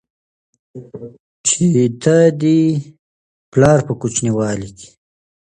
چې ته دې پلار په کوچينوالي کې